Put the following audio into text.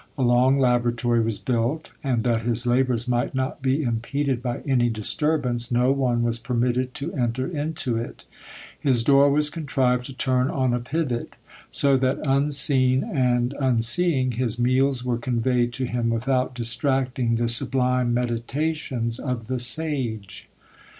A long laboratory was built, and that his labours might not be impeded by any disturbance, no one was permitted to enter into it. His door was contrived to turn on a pivot; so that, unseen and unseeing, his meals were conveyed to him without distracting the sublime meditations of the sage.